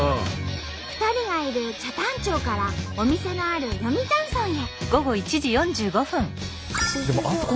２人がいる北谷町からお店のある読谷村へ。